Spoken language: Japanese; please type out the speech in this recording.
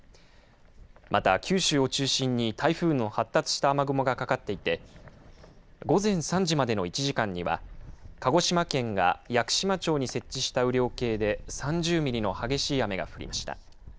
また九州を中心に台風の発達した雨雲がかかっていて午前３時までの１時間には鹿児島県が屋久島町に設置した雨量計で３０ミリの激しい雨が降りました。